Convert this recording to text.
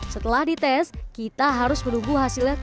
setelah dites kita harus menunggu hasilnya kurang